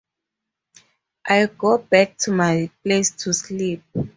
I go back to my place to sleep.